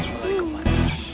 mau lari kemana